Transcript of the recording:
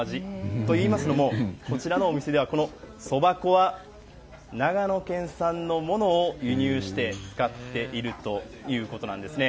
といいますのも、こちらのお店では、このそば粉は長野県産のものを輸入して使っているということなんですね。